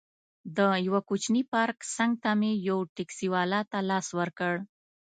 د یوه کوچني پارک څنګ ته مې یو ټکسي والا ته لاس ورکړ.